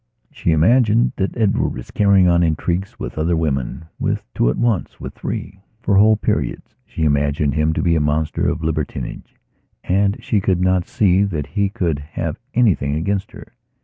She imagined that Edward was carrying on intrigues with other womenwith two at once; with three. For whole periods she imagined him to be a monster of libertinage and she could not see that he could have anything against her.